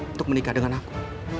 untuk menikah dengan aku